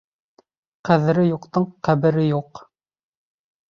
Ҡәҙере юҡтың ҡәбере юҡ.